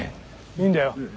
いいんだよ